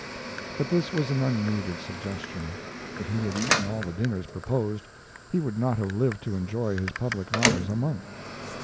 But this was an unneeded suggestion. If he had eaten all the dinners proposed he would not have lived to enjoy his public honors a month.